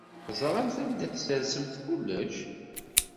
Teẓramt anda ara tessersemt kullec?